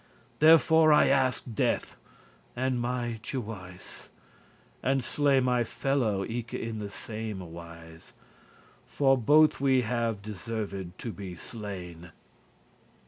Therefore I aske death and my jewise*. *judgement But slay my fellow eke in the same wise, For both we have deserved to be slain."